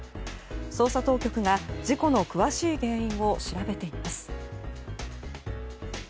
捜査当局が事故の詳しい原因を調べています。